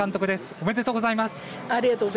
ありがとうございます。